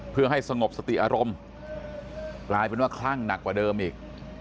เพื่อให้สงบสติอารมณ์กลายเป็นว่าคลั่งหนักกว่าเดิมอีก